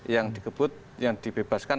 yang dikebut yang dibebaskan